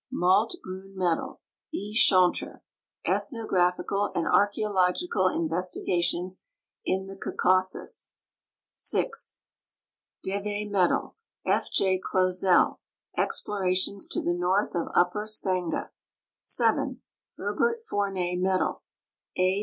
Malte Brun Medal, E. Chantre, Ethnogi aphical and archeological investigations in the Caucasus; 6. JJeicez Medal, F. J. Clozel, Explorations to the north of Upper Sangha ; 7. Herbert Fournel Medal, A.